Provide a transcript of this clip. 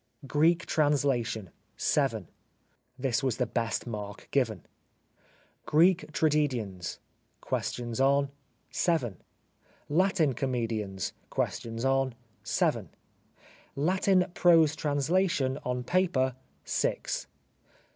Greek Translation — 7. (This was the best mark given.) Greek Tragedians (Questions on) — 7. Latin Comedians (Questions on) — 7. Latin Prose Translation on Paper — 6.